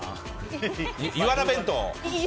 イワナ弁当。